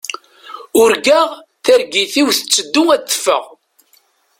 Urgaɣ, targit-iw tetteddu ad teffeɣ.